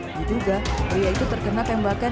diduga pria itu terkena tembakan